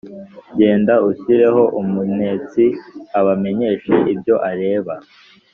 «Genda, ushyireho umunetsi, abamenyeshe ibyo areba.